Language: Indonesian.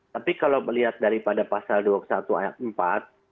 tapi kalau melihat daripada pasal dua puluh satu ayat empat